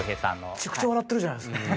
めちゃくちゃ笑ってるじゃないですか。